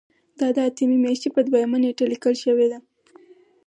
دا د اتمې میاشتې په دویمه نیټه لیکل شوې ده.